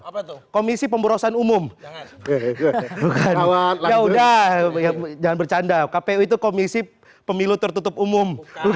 apa tuh komisi pemborosan umum ya udah jangan bercanda kpu itu komisi pemilu tertutup umum